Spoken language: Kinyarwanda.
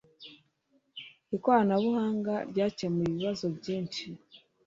Ikoranabuhanga ryakemuye ibibazo byinshi.